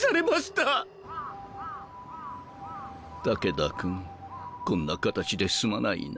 武田君こんな形ですまないな。